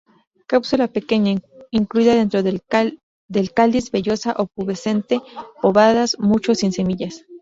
Cápsula pequeña, incluida dentro del cáliz, vellosa o pubescentes, ovadas, muchos sin semillas.